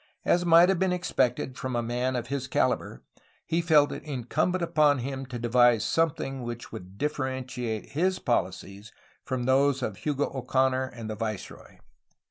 As might have been expected from a man of his calibre he felt it in cumbent upon him to devise something which would differ entiate his poHcies from those of Hugo Oconor and the viceroy.